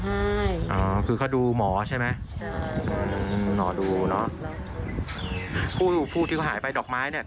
ไห้คือเขาดูหมอใช่ไหมหน่อดูเนาะผู้ที่ก็หายไปดอกไม้เนี่ย